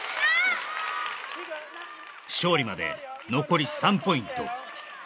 勝利まで残り３ポイント